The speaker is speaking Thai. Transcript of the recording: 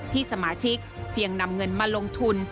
สมาชิกเพียงนำเงินมาลงทุน